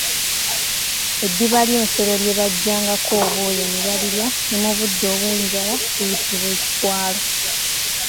Eddiba ly'ensolo lye bajjangako obwoya ne balirya ne mu budde obw'enjala liyitibwa Ekikwalo.